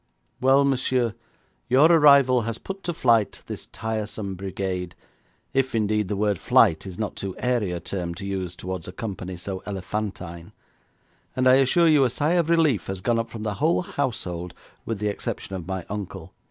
'Well, monsieur, your arrival has put to flight this tiresome brigade, if, indeed, the word flight is not too airy a term to use towards a company so elephantine, and I assure you a sigh of relief has gone up from the whole household with the exception of my uncle.